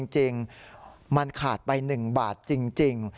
จริงมันขาดไป๑บาทจริง